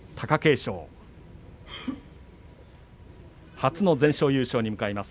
初の全勝優勝に向かいます